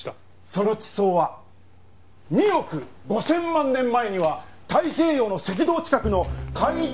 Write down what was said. その地層は２億５０００万年前には太平洋の赤道近くの海底だったと言われています。